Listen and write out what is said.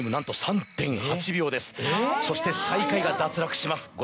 そして最下位が脱落します。